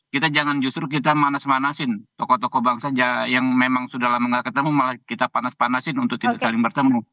kita jangan justru kita manas manasin tokoh tokoh bangsa yang memang sudah lama gak ketemu malah kita panas panasin untuk tidak saling bertemu